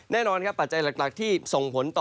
แน่นอนครับปัจจัยหลักที่ส่งผลต่อ